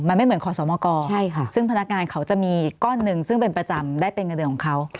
มันไม่เหมือนขอสมกรซึ่งพนักงานเขาจะมีก้อนหนึ่งซึ่งเป็นประจำได้เป็นเงินเดือนของเขา